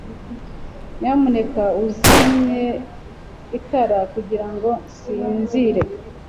Nyamuneka uzimye itara kugirango nsinzire